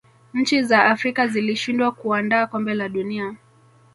nchi za Afrika zilishindwa kuandaa kombe la dunia